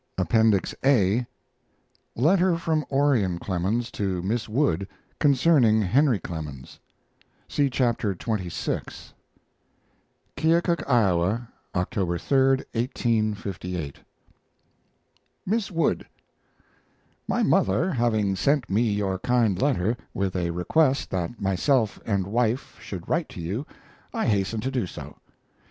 APPENDIX A LETTER FROM ORION CLEMENS TO MISS WOOD CONCERNING HENRY CLEMENS (See Chapter xxvi) KEOKUK, Iowa, October 3, 1858. MISS WOOD, My mother having sent me your kind letter, with a request that myself and wife should write to you, I hasten to do so.